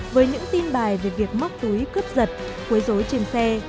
với những tin bài về việc móc túi cướp giật cuối rối trên xe